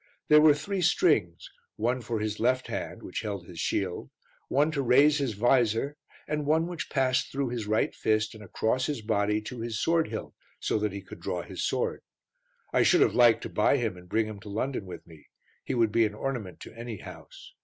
There were three strings one for his left hand, which held his shield, one to raise his vizor and one which passed through his right fist and across his body to his sword hilt so that he could draw his sword. I should have liked to buy him and bring him to London with me; he would be an ornament to any house.